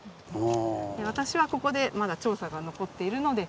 私はここでまだ調査が残っているので。